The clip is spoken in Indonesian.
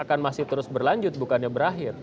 akan masih terus berlanjut bukannya berakhir